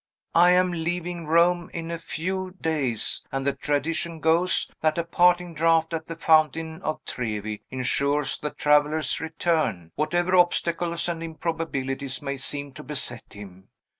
"I am leaving Rome in a few days; and the tradition goes, that a parting draught at the Fountain of Trevi insures the traveller's return, whatever obstacles and improbabilities may seem to beset him.